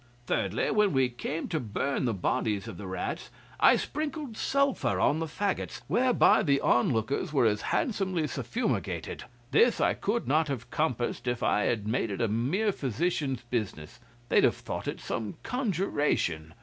Thirdly, when we came to burn the bodies of the rats, I sprinkled sulphur on the faggots, whereby the onlookers were as handsomely suffumigated. This I could not have compassed if I had made it a mere physician's business; they'd have thought it some conjuration.